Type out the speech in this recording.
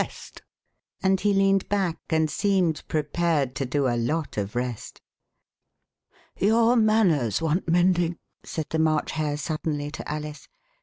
rest." And he leaned back and seemed prepared to do a lot of rest. "Your manners want mending," said the March Hare suddenly to Alice.